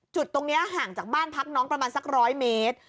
จุดตรงนี้ห่างจากบ้านพักน้องประมาณสัก๑๐๐เมตร